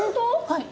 はい。